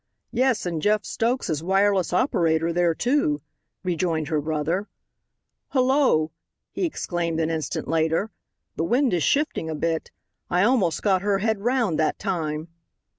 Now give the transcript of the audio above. "Yes, and Jeff Stokes is wireless operator there, too," rejoined her brother. "Hullo," he exclaimed an instant later, "the wind is shifting a bit. I almost got her head round that time."